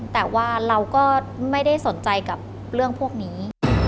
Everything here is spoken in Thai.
แต่ว่าเราก็ไม่ได้สนใจกับเรื่องพวกนี้